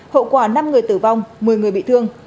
hậu quả năm người tử vong một mươi người bị thương